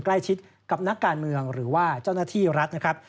ใกล้ชิดกับนักการเมืองหรือว่าเจ้าหน้าที่รัฐนะครับ